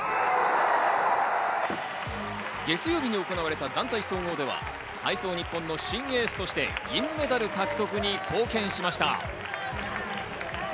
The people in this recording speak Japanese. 月曜日に行うれた団体総合では、体操日本の新エースとして銀メダル獲得に貢献しました。